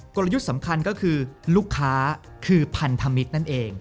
กลยุทธ์สำคัญก็คือลูกค้าคือพันธมิตรนั่นเอง